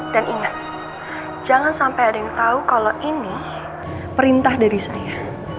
dan ingat jangan sampai ada yang tahu kalau ini perintah dari saya